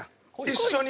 一緒に。